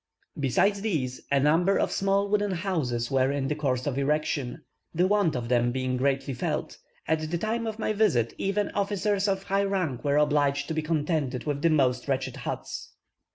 Besides these, a number of small wooden houses were in the course of erection, the want of them being greatly felt; at the time of my visit even officers of high rank were obliged to be contented with the most wretched huts.